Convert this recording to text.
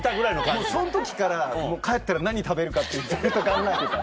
もうその時から帰ったら何食べるかってずっと考えてた。